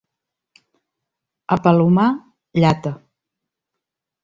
A Palomar, llata.